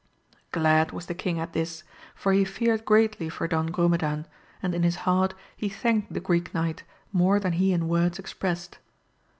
Glad was the king at this, for he feared greatly for Don Grumedan, and in his heart he thanked the Greek Knight more than he in words expressed.